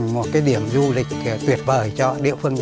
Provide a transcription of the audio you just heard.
một cái điểm du lịch tuyệt vời cho địa phương